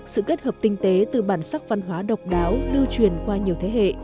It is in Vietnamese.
sự kết hợp tinh tế từ bản sắc văn hóa độc đáo lưu truyền qua nhiều thế hệ